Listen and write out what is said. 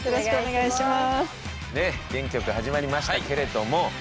元気よく始まりましたけれども。